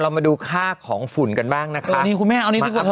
อ่ะเรามาดูค่าของฝุ่นกันบ้างนะคะเอานี้กูเนี่ยเอานี้ดูก่อนเถอะ